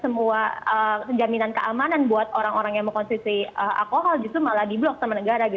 semua jaminan keamanan buat orang orang yang mengkonsumsi alkohol justru malah di blok sama negara